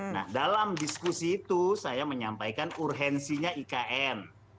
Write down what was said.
nah dalam diskusi itu saya menyampaikan urgensinya ikn